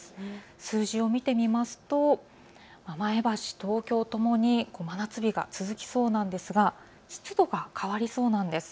数字を見てみますと前橋、東京、ともに真夏日が続きそうなんですが、湿度が変わりそうなんです。